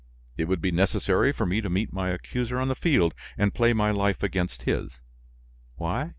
It would be necessary for me to meet my accuser on the field, and play my life against his; why?